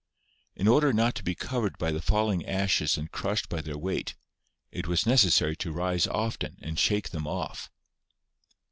... In order not to be covered by the falling ashes and crushed by their weight, it was necessary to rise often and shake them off."